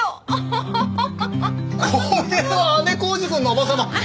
これは姉小路くんの叔母様。